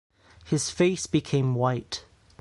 His face became white.